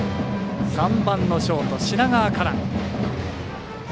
３番のショート、品川から。